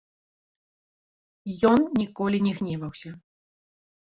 Ён ніколі не гневаўся.